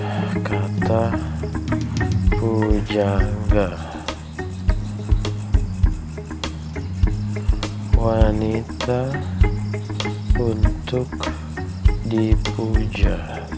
hai kata puja enggak wanita untuk dipuja